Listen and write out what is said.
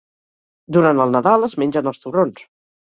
Durant el Nadal es mengen els torrons.